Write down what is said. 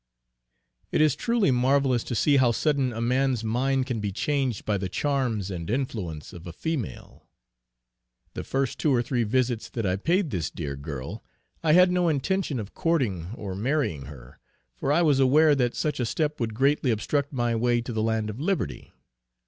It is truly marvellous to see how sudden a man's mind can be changed by the charms and influence of a female. The first two or three visits that I paid this dear girl, I had no intention of courting or marrying her, for I was aware that such a step would greatly obstruct my way to the land of liberty.